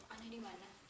ada di mana